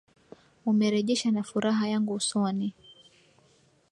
Umerejesha na furaha yangu usoni.